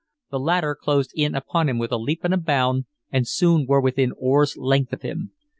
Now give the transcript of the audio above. The latter closed in upon him with a leap and a bound, and soon were within oar's length of him.